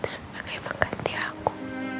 sebagai pengganti aku